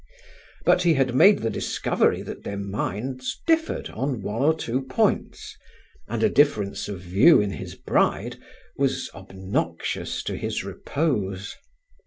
But he had made the discovery that their minds differed on one or two points, and a difference of view in his bride was obnoxious to his repose.